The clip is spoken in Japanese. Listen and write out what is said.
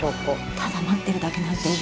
ただ待ってるだけなんて嫌。